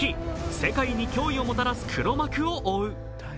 世界に脅威をもたらす黒幕を追う。